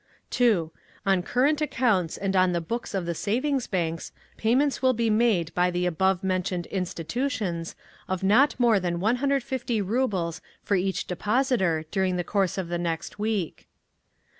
2. On current accounts and on the books of the savings banks, payments will be made by the above mentioned institutions, of not more than 150 rubles for each depositor during the course of the next week.